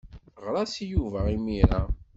Ɣer-as i Yuba imir-a.